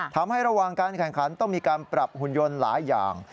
ทำให้ระหว่างการแข่งขันต้องมีการปรับหุ่นยนต์หลายอย่าง